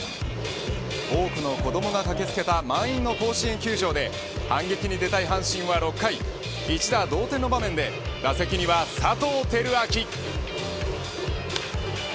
多くの子どもが駆けつけた満員の甲子園球場で反撃に出たい阪神は６回一打同点の場面で打席には佐藤輝明。